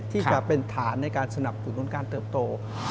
ที่จะเป็นฐานในการสนับสนุนการเติบโต